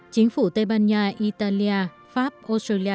chính phủ tây ban nha italia pháp australia